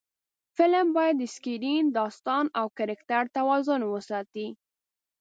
فلم باید د سکرېن، داستان او کرکټر توازن وساتي